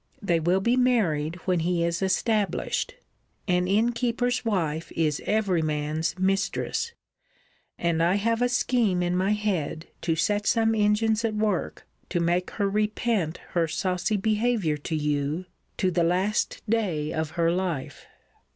They will be married when he is established. An innkeeper's wife is every man's mistress; and I have a scheme in my head to set some engines at work to make her repent her saucy behaviour to you to the last day of her life.